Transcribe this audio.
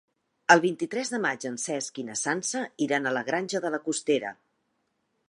El vint-i-tres de maig en Cesc i na Sança iran a la Granja de la Costera.